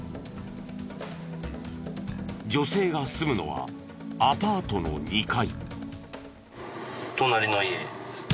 女性が住むのはアパートの２階。